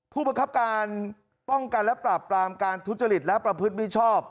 ผู้บังคับการป้องกันและปราบปรามการทุจริตและประพฤติมิชชอบ